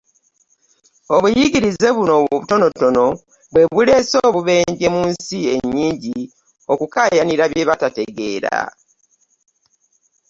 Obuyigirize buno obutono bwe buleese obubenje mu nsi ennyingi okukaayanira bye batategeera.